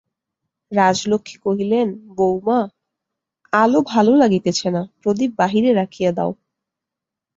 রাজলক্ষ্মী কহিলেন, বউমা, আলো ভালো লাগিতেছে না, প্রদীপ বাহিরে রাখিয়া দাও।